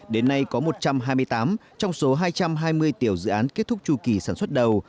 đến nay có một trăm hai mươi tám trong số hai trăm hai mươi tiểu dự án kết thúc tru kỳ sản xuất đầu